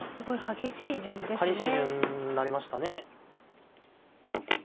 激しい順になりましたね。